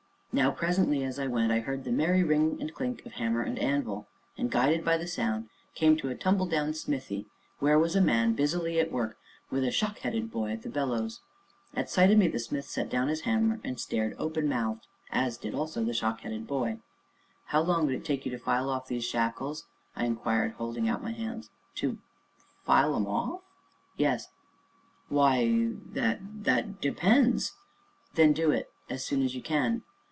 Now, presently, as I went, I heard the merry ring and clink of hammer and anvil, and, guided by the sound, came to a tumbledown smithy where was a man busily at work, with a shock headed boy at the bellows. At sight of me, the smith set down his hammer and stared openmouthed, as did also the shock headed boy. "How long would it take you to file off these shackles?" I inquired, holding out my hands. "To to file 'em off?" "Yes." "Why, that that depends " "Then do it as soon as you can."